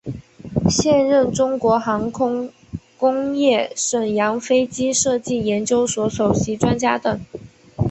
现任中国航空工业沈阳飞机设计研究所首席专家等。